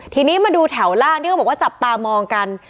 ทีนี้มาดูแถวล่างที่เขาบอกว่าจับตามองกัน